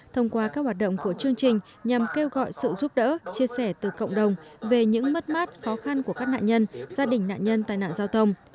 thông qua các hoạt động của chương trình nhằm kêu gọi sự giúp đỡ chia sẻ từ cộng đồng về những mất mát khó khăn của các nạn nhân gia đình nạn nhân tai nạn giao thông